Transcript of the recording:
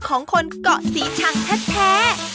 ของคนเกาะศรีชังแท้